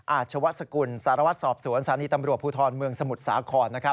อาชวะสกุลสารวัตรสอบสวนสถานีตำรวจภูทรเมืองสมุทรสาคร